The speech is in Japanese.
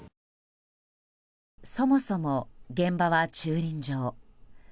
そもそも現場は駐輪場。